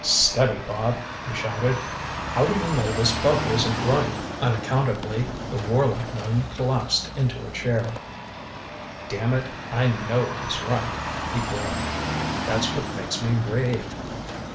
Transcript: "Steady, Bob," he shouted. "How do you know this fellow isn't right?" Unaccountably the warlike one collapsed into a chair. "Damn it, I know he's right," he groaned. "That's what makes me rave.